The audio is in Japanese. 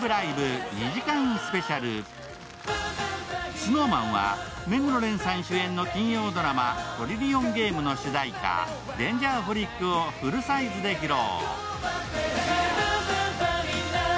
ＳｎｏｗＭａｎは目黒蓮さん主演の金曜ドラマ「トリリオンゲーム」の主題歌「Ｄａｎｇｅｒｈｏｌｉｃ」をフルサイズで披露。